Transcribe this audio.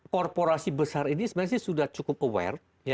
korporasi besar ini sebenarnya sudah cukup aware